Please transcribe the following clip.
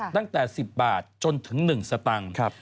ตั้งแต่๑๐บาทจนถึง๑สตังค์